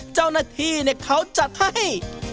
เจ้าหน้าที่เขาจัดให้